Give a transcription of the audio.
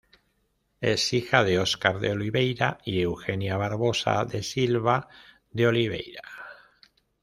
Es hija de Oscar de Oliveira y Eugenia Barbosa de Silva de Oliveira.